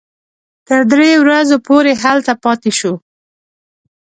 تر درې ورځو پورې هلته پاتې شوو.